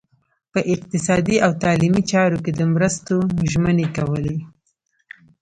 په اقتصادي او تعلیمي چارو کې د مرستو ژمنې کولې.